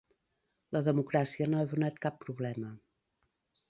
La democràcia no ha donat cap problema.